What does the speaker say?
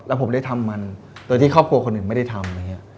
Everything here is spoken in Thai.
แล้วผมได้ทำมันโดยที่ครอบครัวคนอื่นไม่ได้ทำ